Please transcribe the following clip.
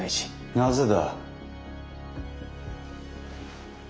なぜだ。